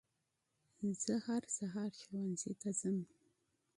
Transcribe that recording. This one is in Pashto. زه هر سهار ښوونځي ته ځم.